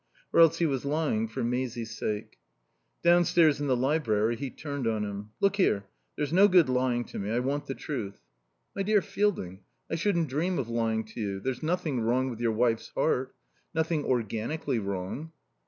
Or else he was lying for Maisie's sake. Downstairs in the library he turned on him. "Look here; there's no good lying to me. I want truth." "My dear Fielding, I shouldn't dream of lying to you. There's nothing wrong with your wife's heart. Nothing organically wrong."